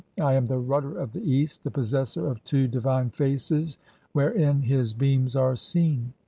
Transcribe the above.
[I am] the rudder of the east, the possessor of "two divine faces wherein his beams are seen.